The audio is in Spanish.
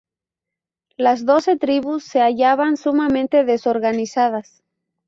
Las Doce Tribus se hallaban sumamente desorganizadas.